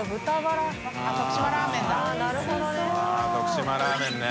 ◆舛「徳島ラーメン」ね。